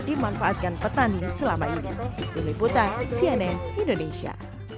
dimanfaatkan petani selama ini diliputan cnn indonesia